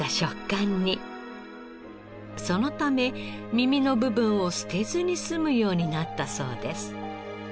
そのため耳の部分を捨てずに済むようになったそうです。